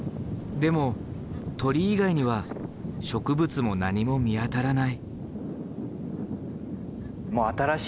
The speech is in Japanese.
でも鳥以外には植物も何も見当たらない。